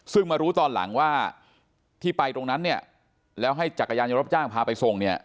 ซึ่งมารู้ตอนหลังว่าที่ไปตรงนั้นเนี่ยแล้วให้จักรยานยนต์รับจ้างพาไปส่งเนี่ย